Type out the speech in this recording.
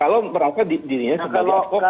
kalau merawakannya dirinya sebagai advokat